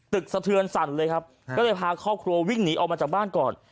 สะเทือนสั่นเลยครับก็เลยพาครอบครัววิ่งหนีออกมาจากบ้านก่อน